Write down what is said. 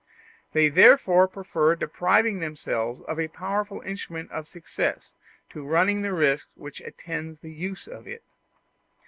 They therefore prefer depriving themselves of a powerful instrument of success to running the risks which attend the use of it.